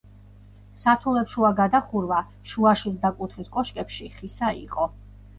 სართულებშუა გადახურვა შუაშიც და კუთხის კოშკებში ხისა იყო.